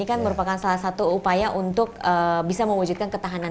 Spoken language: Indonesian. ini kan merupakan salah satu upaya untuk bisa mewujudkan ketahanan